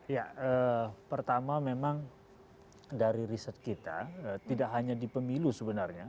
ya pertama memang dari riset kita tidak hanya di pemilu sebenarnya